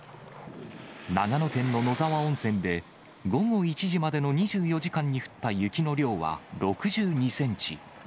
長野県の野沢温泉で、午後１時までの２４時間に降った雪の量は６２センチ。